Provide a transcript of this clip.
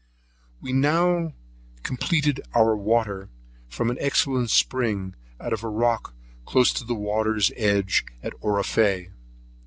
We had now completed our water from an excellent spring, out of a rock close to the water's edge, at Offaree.